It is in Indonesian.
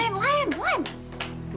sekarang lain lain lain